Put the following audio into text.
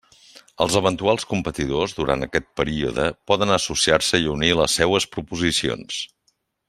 Els eventuals competidors, durant aquest període, poden associar-se i unir les seues proposicions.